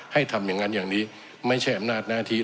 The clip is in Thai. ทำอย่างนั้นอย่างนี้ไม่ใช่อำนาจหน้าที่